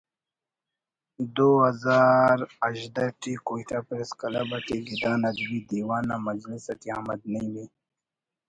دو ہزار ہژدہ ٹی Quetta press club اٹی گدان ادبی دیوان نا مجلس اٹی احمد نعیم ءِ